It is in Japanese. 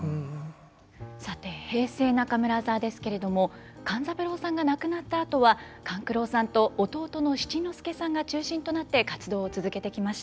さて平成中村座ですけれども勘三郎さんが亡くなったあとは勘九郎さんと弟の七之助さんが中心となって活動を続けてきました。